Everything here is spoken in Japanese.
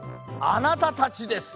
あなたたちです！